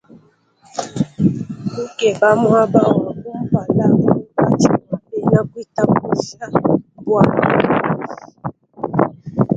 Kukeba muaba wa kumpala munkatshi mua bena kuitabuja, mbualu bubi.